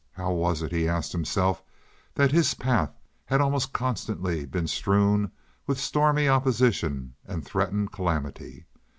How was it, he asked himself, that his path had almost constantly been strewn with stormy opposition and threatened calamity?